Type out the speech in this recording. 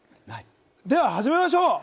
では始めましょう！